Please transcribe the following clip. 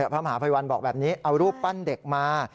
พระมหาภัยวันบอกแบบนี้เอารูปปั้นเด็กมา